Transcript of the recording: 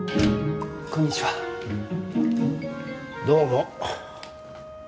どうも。